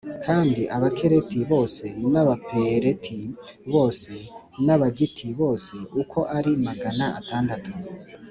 kandi Abakereti bose n’Abapeleti bose n’Abagiti bose uko ari magana atandatu